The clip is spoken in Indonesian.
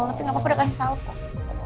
tapi gak apa apa udah kasih salpoh